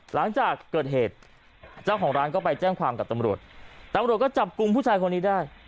หลังจากเกิดเหตุเจ้าของร้านก็ไปแจ้งความกับตำรวจตำรวจก็จับกลุ่มผู้ชายคนนี้ได้